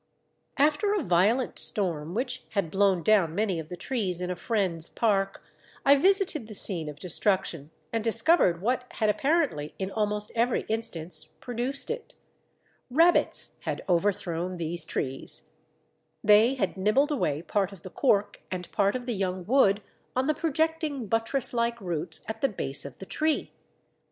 After a violent storm which had blown down many of the trees in a friend's park, I visited the scene of destruction and discovered what had apparently in almost every instance produced it. Rabbits had overthrown these trees! Dunlop House, Kilmarnock. They had nibbled away part of the cork and part of the young wood on the projecting buttress like roots at the base of the tree.